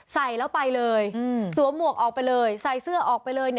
ใส่แล้วไปเลยสวมหมวกออกไปเลยใส่เสื้อออกไปเลย